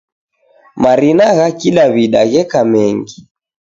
Marina ghakidawida gheka mengi.